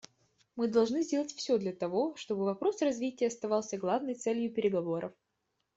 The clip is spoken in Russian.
Мы должны сделать все для того, чтобы вопрос развития оставался главной целью переговоров.